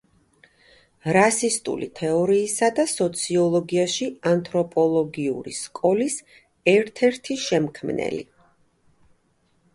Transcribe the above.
რასისტული თეორიისა და სოციოლოგიაში ანთროპოლოგიური სკოლის ერთ-ერთი შემქმნელი.